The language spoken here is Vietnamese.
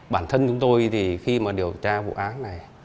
bản thân chúng tôi thì khi mà điều tra vụ án này